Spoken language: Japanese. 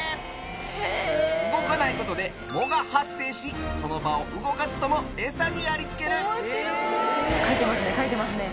動かないことで藻が発生しその場を動かずともエサにありつけるかいてますね。